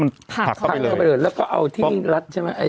มันถักเข้าไปเลยถักเข้าไปเลยแล้วก็เอาที่รัฐใช่ไหม